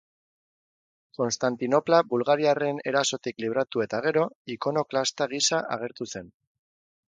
Konstantinopla bulgariarren erasotik libratu eta gero, ikonoklasta gisa agertu zen.